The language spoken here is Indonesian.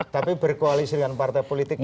tapi berkoalisi dengan partai politik